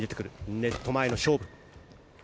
ネット前の勝負。